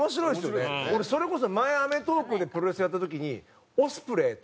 俺それこそ前『アメトーーク』でプロレスやった時にオスプレイ対。